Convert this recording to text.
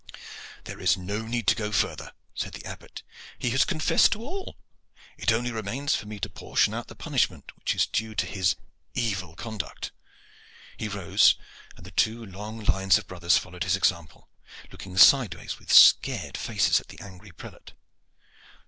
"There is no need to go further," said the Abbot. "He has confessed to all. It only remains for me to portion out the punishment which is due to his evil conduct." He rose, and the two long lines of brothers followed his example, looking sideways with scared faces at the angry prelate.